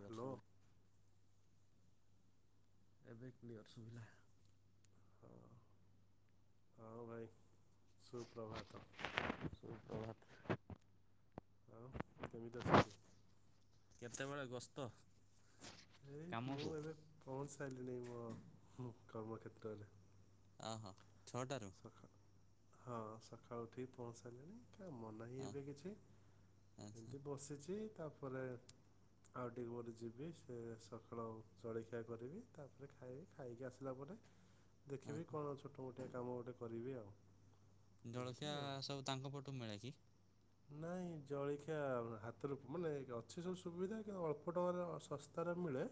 Hello ଏବେ clear ସୁଭିଲା। ହଁ ହଁ ଭାଇ ସୁପ୍ରଭାତ। ଭାତ ଆଉ କେମିତି ଅଛନ୍ତି? କେତେବେଳେ ଗ୍ରସ୍ତ। ଏଇ ମୁଁ ଏବେ ପହଞ୍ଚିସାରିଲିଣି ମୋର କର୍ମକ୍ଷେତ୍ରରେ ହଁ ହଁ। ଛଅଟାରୁ? ସକାଳ ହଁ ସକାଳୁ ଉଠିକି ପହଞ୍ଚାରିଲେଣି। ମ ନାହିିଁ ହଁ ଏବେ କିଛି ଆଚ୍ଛା ଏମିତି ବସିଛି। ତାପରେ ଆଉ ଟିକେ ପରେ ଯିବି ସେ ସକାଳ ଜଳଖିଆ କରିବି ତାପରେ ଖାଇବି ଖାଇକି ଆସିଲା ପରେ ଦେଖିବି ଓହୋ। କଣ ଛୋଟ ମୋଟ [unintelligible] ଗୋଟେ କରିବି ଆଉ। ଏମିତି ଜଳଖିଆ ଆଉ ସବୁ ତାଙ୍କ ପଟୁ ମିଳେ କି? ନାଇଁ ଜଳଖିଆ ହାତରୁ ମାନେ ଅଛି ସବୁ ସୁବିଧା କିନ୍ତୁ ଅଳ୍ପ ଟଙ୍କାରେ ଶସ୍ତାରେ ମିଳେ।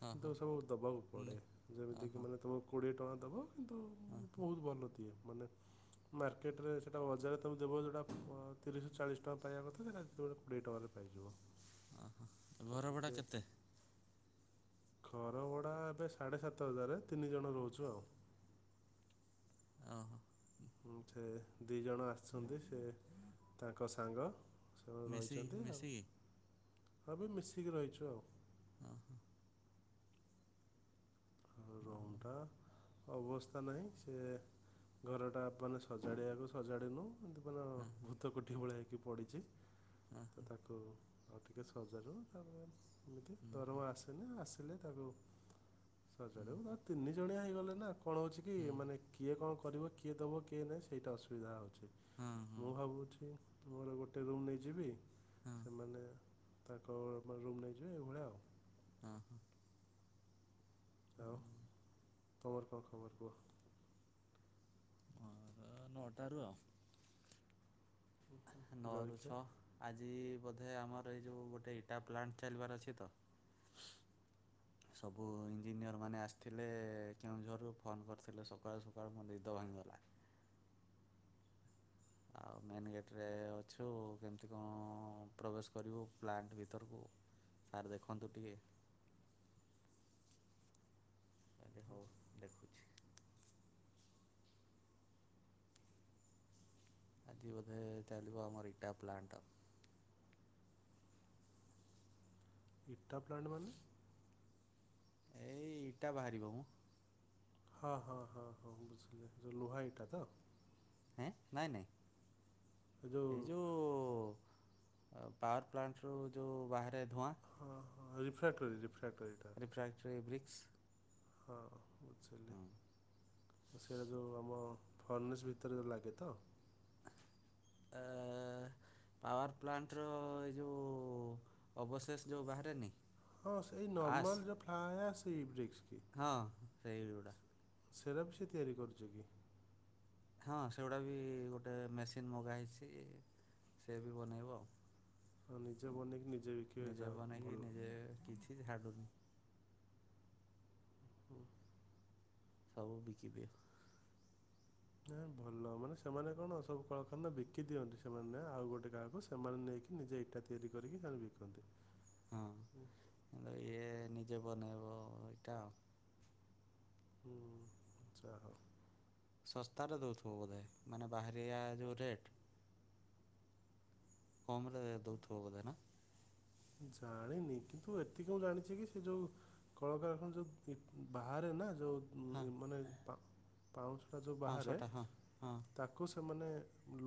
ହଁ ହଁ କିନ୍ତୁ ସବୁ ଦବାକୁ ପଡେ ନେ ଯେମିତି କିି ଓହୋ ମାନେ ତମକୁ କୋଡିଏ ଟଙ୍କା ଦେବୁ କିନ୍ତୁ ଓହୋ ବହୁତ ଭଲ ଦିଏ। ମାନେ ମାର୍କେଟରେ ସେଟା ବଜାରେ ତମେ ଦେବ ଯଉଟା ତିରିଶରୁ ଚାଳିଶ ଟଙ୍କା ପାଇବା କଥା ସେଟାତେବେଳେ କୋଡ଼ିଏଟଙ୍କାରେ ପାଇଯିବ। ଓ ହୋ ତ ଘରଭଡ଼ା ଟିକେ କେତେ? ଘର ଭଡା ଏବେ ସାଢେ଼ ସାତ ହଜାର ତିନି ଜଣ ରହୁଛୁ ଆଉ। ଓହୋ ସେ ଦୁଇ ଜଣ ଆସିଛନ୍ତି ସେ ତାଙ୍କ ସାଙ୍ଗ ମିଶିକି ମିଶିକି। ହ ବି ମିଶିକି ରହିଛୁ ଆଉ। ଓ ହୋ। ରୁମ୍ଟା ଅବସ୍ଥା ନାହିଁ ସେ ଘରଟା ମାନେ ସଜାଡ଼ିବାକୁ ସଜାଡ଼ିନୁ ଦୀବନ ହଁ ହଁ ଭୂତ କୋଠି ଭଳିଆ ହେ କି ପଡ଼ିଛି। ହଁ ତ ହଁ। ତାକୁ ଆଉ ଟିକେ ସଜାଡ଼ିବୁ ତା ଏମିତି ହୁଁ ହୁଁ ଦରମା ଆସେନା ଆସିଲେ ତାକୁ ସ ହୁଁ ତିନି ଜଣିଆ ହେଇଗଲେ ନା କଣ ହଉଛି କି ହୁଁ ମାନେ କିଏ କଣ କରିବ କିଏ ଦେବ କିଏ ନାହିଁ ସେଇଟା ଅସୁବିଧା ହେଉଛି। ହଁ ହଁ ମୁଁ ଭାବୁଛି। ମୋର ଗୋଟେ ରୁମ୍ ନେଇଯିବି। ହଁ ସେମାନେ। ତାଙ୍କ ରୁମ୍ ନେଇଯିବେ ଏଇଭଳିଆ ଆଉ। ହଁ ହଁ। ଆଉ ତୁମର କଣ ଖବର କୁହ। ମୋର ନଅଟାରୁ ଆଉ। ନଅରୁ ଜଳଖିଆ ଛଅ ଆଜି। ବୋଧେ ଆମର ଏଇ ଯୋଉ ଗୋଟେ ଇଟା ପ୍ଲାଣ୍ଟ ଚାଲିବାର ଅଛି ତ ସବୁ ଇଞ୍ଜିନିୟର ମାନେ ଆସିଥିଲେ କେଉଁଝୋରରୁ ଫୋନ କରିଥିଲେ ସକାଳୁ ସକାଳୁ ମୋ ନିଦ ଭାଙ୍ଗିଗଲା। ଆଉ ମେନ୍ ଗେଟରେ ଅଛୁ କେମିତି କଣ ପ୍ରବେଶ କରିବୁ ପ୍ଲାଣ୍ଟ ଭିତରକୁ ସାର୍ ଦେଖନ୍ତୁ ଟିକେ। ଆରେ ହଉ ଦେଖୁଛି। ଆଜି ବୋଧେ ଚାଲିଭ ଆମର ଇଟା ପ୍ଲାଣ୍ଟ। ଇଟା ପ୍ଲାଣ୍ଟ ମାନେ। ଏଇ ଇଟା ବାହାରିବ ମଁ। ହଁ ହଁ ହଁ ହଁ ବୁଝିଲି ଲୁହାଇଟା ତ। ଏଁ ନାଇଁ ନାଇଁ। ଏ ଯେଉଁ ଏଇ ଯୋଉ। ପାୱାର ପ୍ଲାଣ୍ଟ ରୁ ଯୋଉ ବାହାରେ। ଧୂଆଁ। ହ ରିଫ୍ରାକ୍ଟ କରି ରିଫ୍ରାକ୍ଟ। ରିଫ୍ରାଏ ଫର ଏଭ୍ରି। [inaudible] ହଁ ବୁଝିଲେ ସେଇଟା ଯେଉ ଆମ ଫନିସ୍ ଭିତରେ ଲାଗେ ତ। ପାୱାର ପ୍ଲାଣ୍ଟର ଏ ଯେଉଁ ଅବଶେଷ ଯେଉଁ ବାହାରେନି। ହଁ ସେଇ ଆସ୍ ନର୍ମାଲ ଯୋଉ ଫ୍ଲାଏ ଆସେ। ସେଇ ବ୍ରିକ୍ସ। ହଁ। ସେଇଗୁଡା। ସିପ୍ ସେ ତିଆରି କରୁଛି କି? ହଁ ସେଗୁଡ଼ା ବି ଗୋଟେ ମେସିନ୍ ମଗା ହେଇଛି ସେ ବି ବନେଇବ ଆଉ। ହଁ ନିଜେ ବନିଇକି ନିଜ। ନିଜେ ବନେଇକି ନିଜେ କିଛି ଛାଡୁନି। ହୁଁ। ସବୁ ବିକିଦିଅ। ନା ଭଲ ମାନେ ସେମାନେ କଣ ସବୁ କଳଖାନ ବିକି ଦିଅନ୍ତି ସେମାନେ ଆଉ ଗୋଟେ କାହାକୁ ସେମାନେ ନେଇକି ନିଜେ ଇଟା ତିଆରି କରିକି ତାକୁ ବିକନ୍ତି। ଏ ନିଜେ ବନେଇବ ଇଟା। ହୁଁ ଯାହଉ। ଶସ୍ତାରେ ଦଉଥିବ ବୋଧେ ମାନେ ବାହାରିିବା ଯୋଉ ରେଟ କମ ରେ ଦଉଥିବ ବୋଧେ ନା। ଜାଣିନି କିନ୍ତୁ ଏତିକି ମୁଁ ଜାଣିଛି କି ସେ ଯୋଉ କଳକାରଖାନା ଯୋଉ ବାହାରେ ନା ଯୋଉ। ହଁ। ପାଉଁଶଟା ଯେଉଁ ବାହାରେ ପାଞ୍ଚଶହ ଟା ହଁ ହଁ ତାକୁ ସେମାନେ।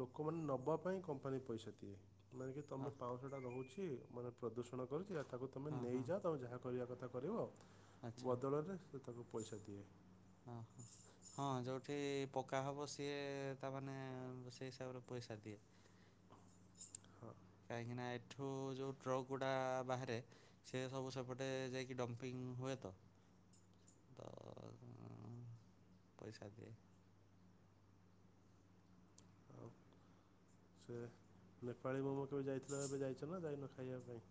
ଲୋକମାନେ ନବା ପାଇଁ କମ୍ପାନୀ ପଇସା ଦିଏ। ମାନେ କି ହଁ ତମେ ପାଉଁଶ ଟା ରହୁଛି। କି ମାନେ ପ୍ରଦୂଷଣ କରୁଛି। ତାକୁ ତମେ ହଁ ହଁ ନେଇଯାଅ, ତାପରେ ଯାହା କରିବା। [unintelligible] କରିବ। ବଦଳରେ [unintelligible] ପଇସାଦିଏ। ହ ହଁ ଯୋଉଠି ପକ୍କା ହବ ସିଏ ତାମାନେ ସେଇ ହିସାବରେ ପଇସା ଦିଏ। ହଁ କାହିଁକିନା ଏଠୁ ଯେଉଁ ଟ୍ରକ୍ ଗୁଡ଼ା ବାହାରେ ସେ ସବୁ ସେପଟେ ଯାଇକି ଡମ୍ପିଙ୍ଗ ହୁଏତ ତ ପଇସା ଦିଏ। ଆଉ ସେ, ନେପାଳୀ ମୋମ କେବେ ଯାଇଥିଲ ଏବେ ଯାଇଛ ନା ଯାଇନ ଖାଇବା ପାଇଁ।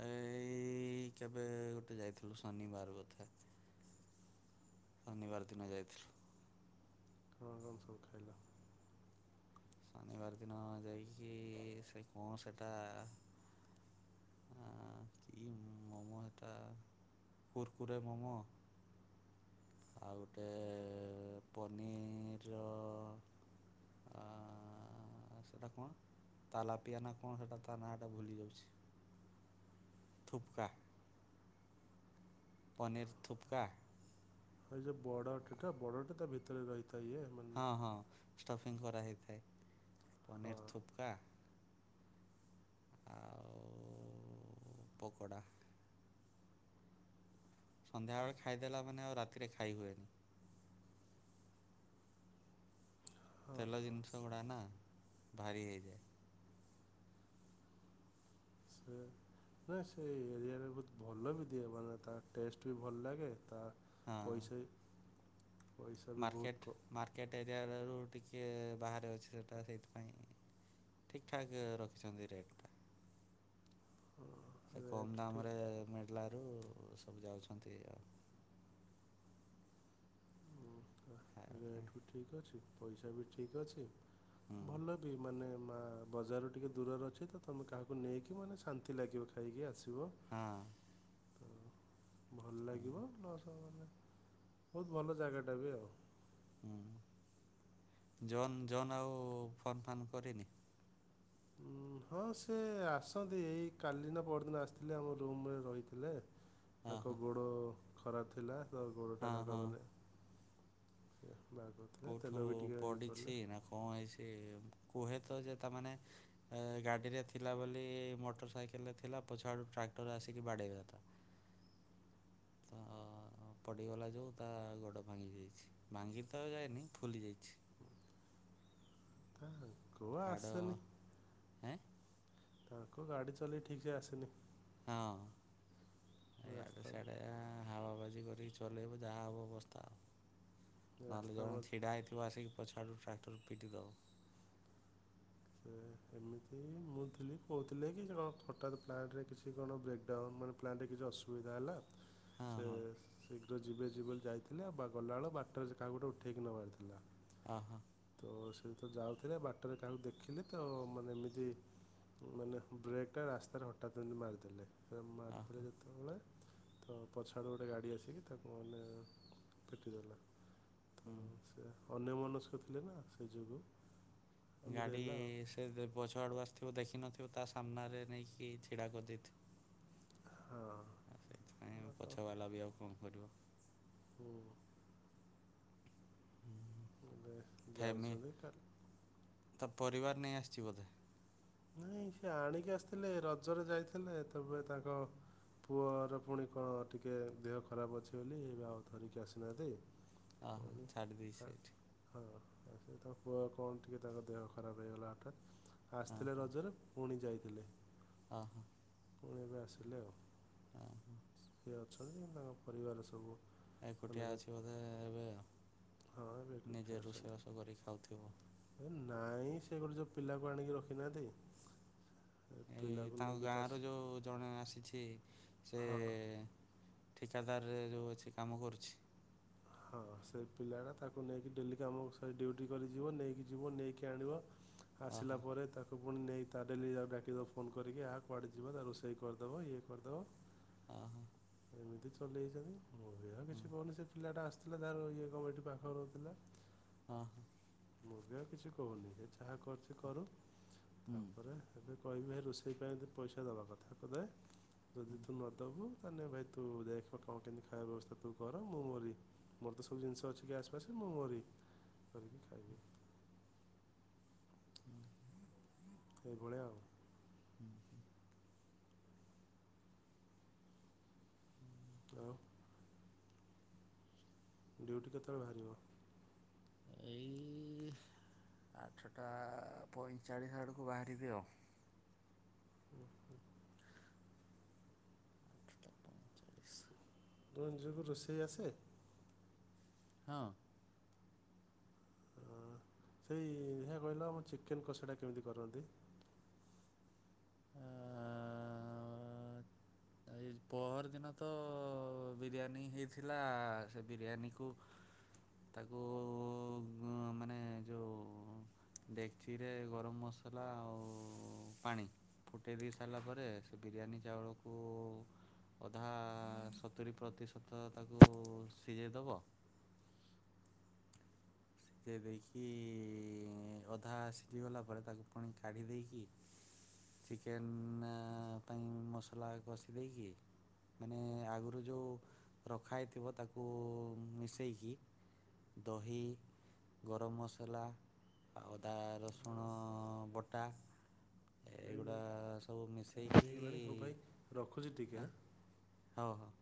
ଏଇ ଇ ଇ କେବେ ଗୋଟେ ଯାଇଥିଲୁ ଶନିବାର କଥା ଶନିବାର ଦିନ ଯାଇଥିଲୁ। [unintelligible] ଖାଇଲା। ଶନିବାର ଦିନ ଯାଇଚି ସେ କଅଣ ସେଟା। କି ମୋମୋ ସେଟା କୁର୍କୁରେ ମୋମୋ ଆଉ ଗୋଟେ ପନିର ର [unintelligible] ସେଇଟା କଣ ତାଲା ପିଆନା କଣ ସେଇଟା ତା ନାଁଟା ଭୁଲି ଯାଉଛି। [inaudible] ଥୁପକା ପନିର ଥୁପକା ଓଇ ଯେ ବଡ ଅଟେ ଟା ବଡ ଅଟେ ତା ଭିତରେ ର ତଏ ଏମାନ ଷ୍ଟପିଙ୍ଗ କରାହଇଥାଏ। ହଁ ପନିର ଥୁପକା ଆଉ [unintelligible] ପକଡ଼ା ସନ୍ଧ୍ୟାବେେଳେ ଖାଇଦେଲା ମାନେ ଆଉ ରାତିରେ ଖାଇ ହୁଏନି [inaudible] ହଁ ତେଲ ହଁ ଜିନଷ ଗୁଡ଼ା ନା। ଭାରି ହେଇଇଯାଏ। ସେ ନା ସେ ଏରିଆରେ ବହୁତ ଭଲ ବି ଦିଏ ମାନେ ତା ଟେଷ୍ଟ ବି ଭଲ ଲାଗେ ତା [unintelligible] ପଇସା ବି ବହୁତ ମାର୍କେଟ୍ କ ମାର୍କେଟେ [unintelligible] ଟିକେ ବାହାରେ ଅଛି ସେଇଟା ସେଇଥିପାଇଁ ଠିକ ଠାକ ରଖିଛନ୍ତି ରେଟ୍ ଟା ସେ କମ ରେଟ୍ ଠିକ୍ ଦାମରେ ମିଳିଲା। [unintelligible] ସବୁ ଯାଉଛନ୍ତି ଆଉ। ଖାଇବା ପାଇଁ [unintelligible] ଠିକ ଅଛି। ପଇସା ବି ଠିକ୍ ଅଛି। ହୁଁ। ଭଲ ବି ମାନେ। ମା ବଜାର ଟିକେ ଦୂରରେ ଅଛି ତ ତମେ କାହାକୁ ନେଇକି ମାନେ ଶାନ୍ତି ଲାଗିବ ଖାଇକି ଆସ। ହୁଁ। ଭଲ ଲାଗିବ ଲସ୍ ହବ [unintelligible] ବହୁତ ଭଲ ଜାଗାଟା ବି ଆଉ। ହୁଁ ଜନ୍ ଜନ୍ ଆଉ ଫନ୍ ଫାନ୍ କରିନି। ଉଁ ହଁ ସେ ଆସନ୍ତି ଏଇ କାଲି ନା ପରଦିନ ଆସିଥିଲେ ଆମ ରୁମରେ ରହିଥିଲେ। ହଁ ତାଙ୍କ ହଁ ଗୋଡ଼ ଖରା ଥିଲା। ହଁ ତଗୋଡ଼ଟାତାଙ୍କ ମାନେ। [inaudible] ତେଲ କଉଠୁ ବି ଟିକେ ଇଏ କଲେ ପଡିଛି ନା କଣ ହେଇଛି? କୁହେ ତ ଯେ ତାମାନେ ଗାଡ଼ିରେ ଥିଲା ବୋଲି ମୋଟର ସାଇକେଲରେ ଥିଲା ପଛଆଡ଼ୁ ଟ୍ରାକ୍ଟର ଆସିକି ବାଡ଼େଇବା ତା ତ ପଡ଼ିଗଲା ଯୋଉ ତା ଗୋଡ଼ ଭାଙ୍ଗି ଦେଇାଇଛି ଭାଙ୍ଗି। ଯାଏନି ଫୁଲି ଯାଇଛି। [inaudible] ଗଆ ହାଡ଼ ଆସନ। ହେଁ ତାଙ୍କୁ ଗାଡି ଚଲେଇ ଠିକ ସେେ ଆସେନି। ହଁ ଡେ ରାସ୍ତା ସେଆଡେ ହାବାବାଜି କର ରିକି ଚଲେଇବ ଯାହା ହବ ଅବସ୍ଥା ଆଉ। ନହେଲେ ରାସ୍ତା ଜଣ ମ ଛିଡା ହେଇଥିବ ଆସିକି। ଛାଡୁ ଟ୍ରାକ୍ଟର ପିଟି ଦଅ। ସେ ଏମିତି ମୁଁ ଥିଲି କହୁଥିଲେ କି କଣ ହଠାତ୍ ପ୍ଲାଣ୍ଟରେ କିଛି କଣ ବ୍ରେକ୍ଡାଉନ୍ ମାନେ ପ୍ଲାଣ୍ଟରେ କିଛି ଅସୁବିଧା ହେଲା। ହଁ ସେ ହଁ ଶୀଘ୍ର ଯିବେ ଯିବ। ଯାଇଥିଲେ ବା ଗଲାବେଳେ ବାଟରେ କାହା ଗୋଟେ ଉଠେଇକି ନବାରିଥିଲା। ଓହୋ ତ ସେ। ତ ଯାଉଥିଲେ ବାଟରେ କାହାକୁ ଦେଖ। ଦେଖିଲେ ତ ମାନେ ଏମିତି ମାନେ ବ୍ରେକ ଟା ରାସ୍ତାରେ ହଠାତ୍ ଏମିତି ମାରିଦେଲେ। ସେ ମରଦଥିଲେ ଓହୋ ଯେତବେଳେ। ତ ପଛାଡ଼ୁ ଗୋଟେ ଗାଡ଼ି ଆସିକି ତାକୁ ମାନେ ପିଟି ଦେଲା ତ ହୁଁ ସେ ଅନ୍ୟ ମନସ୍କ ଥିଲେ ନା ସେ ଯୋଗୁଁ ଏମିତି ଗାଡ଼ି ହେଲା ଆଉ ସେ ପଛ ଆଡୁ ଆସିଥିବ। ତ ଦେଖିନଥିବୁ ତା ସାମ୍ନାରେ ନେଇକି ଛିଡ଼ା କରିଦେଇଥିବ। ହଁ ଆ ସେଇଥିପାଇଁ ହଁ, ପଛ ବାଲା ବି ଆଉ। କଣ କରିବା। ହୁଁ। ଏବେ ଫ୍ୟାମି ଯାଉଛନ୍ତି କା ତା ପରିବାର ନେଇ ଆସିଛି ବୋଧେ। ନାଇଁ ସେ ଆଣିକି ଆସିଥିଲେ ରଜରେ ଯାଇଥିଲେ ତବେ ତାଙ୍କ ପୁଅର ପୁଣି କଣ ଟିକେ ଦେହ ଖରାପ ଅଛି ବୋଲି ଏବେ ଆଉ ଧରିକି ଆସିନାହାନ୍ତି। ଓ ହୋ ପୁଣି ଛଟ ଦେଇଇ ସେଇଠ୍। ହଁ ହଁ ସେ ତା କୁଅ କଣ ଟିକଏ ତାଙ୍କ ଦେହ ଖରାପ ହେଇଗଲା ହଠତ୍ ଆ ଥିଲେ ରଜରେ ପୁଣି ଯାଇଥିଲେ। ହ ହୋ। ପୁଣି ଏବେ ଆସିଲେ। ହ ହୋ। ସିଏ ଅଛନ୍ତି ତାଙ୍କ ପରିବାର ସବୁ ମାନେ ଏକୁଟିଆ ଏବେ ଅଛି ବୋଧେ ଏବେ ଆଉ। ହଁ ଏବେ ଏକୁଟିଆ ନିଜେ ରୋଷେଇ ଅଛନ୍ତି ରସ କରି ଖାଉଥିବ। ଏ ନାଇଁ ସେ ଗୋଟେ ଜଉ ପିଲାକୁ ଆଣିକି ରଖିନାହାନ୍ତି। ଏ ଏଇ ପିଲାକୁ ତାଙ୍କ ନେଇକି ଗାଁ ତା ର ଯଉ ଜଣେ ଆସିଛି। ଏଁତ ହଁ ସେଁ ଠିକାଦାର ରେ ଯଉ ଅଛି କାମ କରୁଛି। ହଁ, ସେ ପିଲାଟା ତାକୁ ନେଇକି ଡେଲି କାମକୁ ସେ ଡ୍ୟୁଟି କରି ଯିବ ନେଇକି ଯିବ ନେଇକି ଆଣିବ। ଆସିଲା ଓହୋ ପରେ ତାକୁ ପୁଣି ନେଇ ତା ଡେଲି ଯା ଡାକି ଦବୁ ଫୋନ୍ କରିକି ଏହା କୁଆଡ଼େ ଯିବା ତା ରୋଷେଇ କରିଦବା ଇଏ କରିଦବା। ଆ ହା। ଏମତି ଚଲେଇଚନ୍ତି। ମୁଁ ବି ଆଉ ହୁଁ କିଛି କହୁନି ସେ ପିଲାଟା ଆସିଥିଲା ତାର ଇଏ କ ଏଇଠି ପାଖରେ ରହୁଥିଲା। ଅଁ ହ। ମୁଁ ବି ଆଉ କିଛି କହୁନି ଏ ଯାହା କରୁଛି କରୁ ହୁଁ ତାପରେ ଏବେ କହିବେ ରୋଷେଇ ପାଇଁ କି ପଇସା ଦବା କଥା ତତେ ଯଦି ତୁ ହୁଁ ନଦବୁ। ତା ନେ ଭାଇ ତୁ ଦେଖ କଣ କେମିତି ଖାଇବା ବ୍ୟବସ୍ଥା ତୁ କର ମୁଁ ମୋରି ମୋର ତ ସବୁ ଜିନିଷ ଅଛି ଗ୍ୟାସ୍ ଫ୍ୟାସ୍ ମୁଁ ମୋରି କରିକି ଖାଇବି [unintelligible] ଏଇଭଳିଆ ଆଉ। ଆଉ। ଡ୍ୟୁଟି କେତେବେଳେ ଭାରିବ। ଏଇ ଆଠଟା ପଇଁଚାଳିଶ ଆଡ଼କୁ ବାହାରିବି ଆଉ। ଉଁ, ହୁଁ। ଆଠଟା ପଇଁଚାଳିଶ ତୁମ ଝିଅକୁୁ ରୋଷେଇ ଆସେ। ହଁ। ଆଁ ସେଇ ହିଆ କହିଲ ଆମ ଚିକେନ କଷାଟା କେମତି କରନ୍ତି। ଆଁ ଏ ପହରଦିନ ତ ବିରିୟାନୀ ହେଇଥିଲା ସେ ବିରିୟାନୀକୁ ତାକୁ ମାନେ ଯଉ ଡେକଚିରେ ଗରମ ମସଲା ଆଉ ପାଣି ଫୁଟାଇ ଦେଇ ସାରିଲା ପରେ ସେ ବିରିୟାନୀ ଚାଉଳକୁ। ଅଧା ସତୁରି ପ୍ରତିଶତ ତାକୁ ସିଜେଇ ଦବ। ସିଝେଇ ଦେଇକି ଅଧା ସିଝିଗଲା ପରେ ତାକୁ ପୁଣି କାଢ଼ି ଦେଇକି ଚିକେନ୍ ପାଇଁ ମସଲା କଷି ଦେଇକି ମାନେ ଆଗରୁ ଯଉ ରଖା ହେଇଥିବ ତାକୁ ମିଶେଇକି ଦହି ଗରମ ମସଲା ଆଉ ଅଦା ରସୁଣ ବଟା ଭାଇ ଏଗୁଡ଼ା ସବୁ ଟାଇମ୍ ମିଶେଇକି ହେଇଗଲାଣି ହଉ ଭାଇ ରଖୁଛି ଟିକେ ୟାଁ ଆଁ। ହଉ ହଉ।